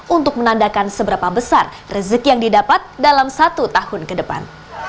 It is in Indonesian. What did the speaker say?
untuk menandakan seberapa besar rezeki yang didapat dalam satu tahun ke depan